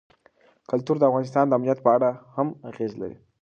کلتور د افغانستان د امنیت په اړه هم اغېز لري.